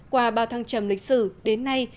qua bao thăng trầm lịch sử đến nay